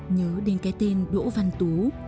nhớ đến cái tên đỗ văn tú